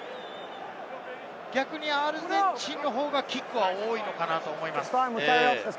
逆にアルゼンチンの方がキックは多いのかなと思います。